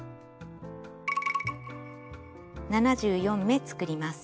７４目作ります。